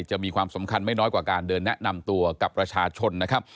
จะมีความสำคัญไม่น้อยกว่าการเดินแนะนำตัวกับประชาชนนะครับ